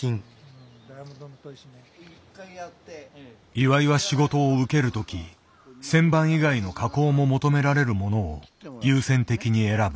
岩井は仕事を受けるとき旋盤以外の加工も求められるものを優先的に選ぶ。